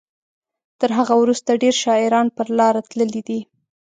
تر هغه وروسته ډیر شاعران پر لاره تللي دي.